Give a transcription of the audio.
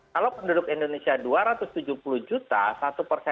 kalau penduduk indonesia dua ratus tujuh puluh juta